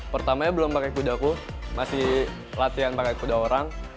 pertamanya belum pakai kudaku masih latihan pakai kuda orang